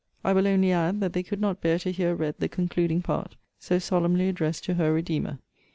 I will only add, that they could not bear to hear read the concluding part, so solemnly addressed to her Redeemer.